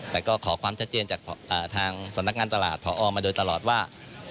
แต่ก็ขอความชัดเจนจากทางสำนักงานตลาดพอมาโดยตลอดว่า